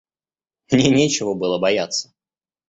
Мне нечего было бояться.